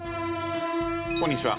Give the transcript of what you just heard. こんにちは。